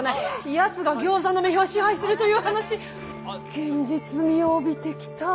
やつが餃子の女豹を支配するという話現実味を帯びてきた。